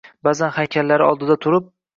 Ba’zan haykallari oldida turib